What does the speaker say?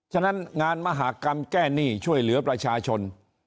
ฉะนั้นงานมหากรรมแก้หนี้ช่วยเหลือประชาชน